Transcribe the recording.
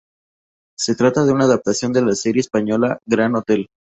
Se trata de una adaptación de la serie española, "Gran Hotel.